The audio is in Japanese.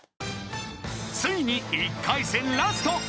［ついに１回戦ラスト。